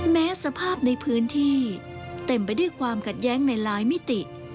สภาพในพื้นที่เต็มไปด้วยความขัดแย้งในหลายมิติ